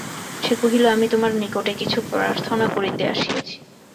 সে কহিল আমি তোমার নিকটে কিছু প্রার্থনা করিতে আসিয়াছি।